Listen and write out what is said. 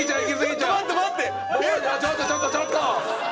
ちょっとちょっとちょっと！